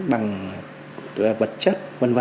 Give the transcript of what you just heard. bằng vật chất v v